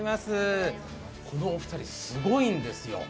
このお二人、すごいんですよ。